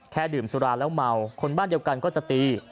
ดื่มสุราแล้วเมาคนบ้านเดียวกันก็จะตี